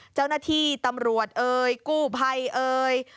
เจ้าหน้าที่ตำรวจเอ่ยกู้ภัยเอ่ย